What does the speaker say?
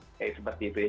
oke seperti itu ya